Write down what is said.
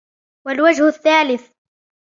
وَالْوَجْهُ الثَّالِثُ